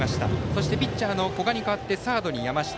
そしてピッチャーの古賀に代わってサードに山下。